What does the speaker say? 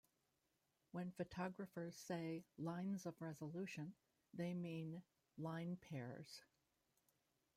When photographers say "lines of resolution", they mean line pairs.